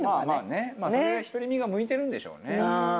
まあまあね独り身が向いてるんでしょうね。